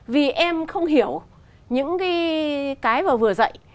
vì em không hiểu những cái vừa dạy